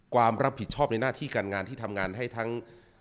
ความรับผิดชอบในหน้าที่การงานที่ทำงานให้ทั้ง